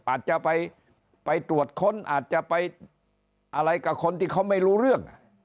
อาจจะไปตรวจค้นอาจจะไปอะไรกับคนที่เขาไม่รู้เรื่อง